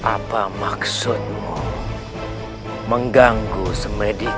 apa maksudmu mengganggu semediku